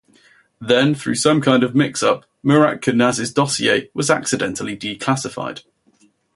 Then, through some kind of mix-up, Murat Kurnaz's dossier was accidentally declassified.